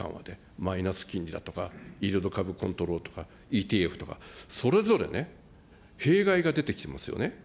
マイナス金利だとか、イールドカーブコントロールとか、ＥＴＦとか、それぞれね、弊害が出てきてますよね。